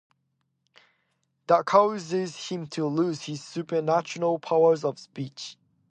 This causes him to lose his supernatural powers of speech.